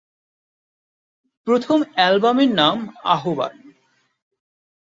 প্রথম অ্যালবামের নাম আহবান।